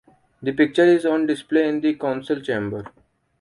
The picture is on display in the council chamber.